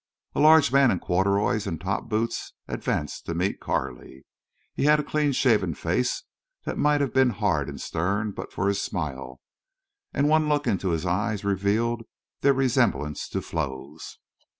A large man in corduroys and top boots advanced to meet Carley. He had a clean shaven face that might have been hard and stern but for his smile, and one look into his eyes revealed their resemblance to Flo's.